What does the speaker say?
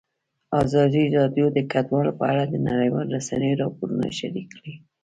ازادي راډیو د کډوال په اړه د نړیوالو رسنیو راپورونه شریک کړي.